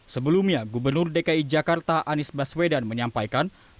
sebelumnya gubernur dki jakarta anies baswedan menyampaikan